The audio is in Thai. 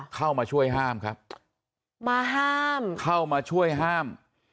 เข้ามาช่วยห้ามครับมาห้ามเข้ามาช่วยห้าม